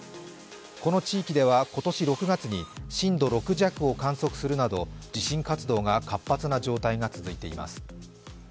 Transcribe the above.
この地域では今年６月に震度６弱を観測するなど地震活動が活発な状態が続いています。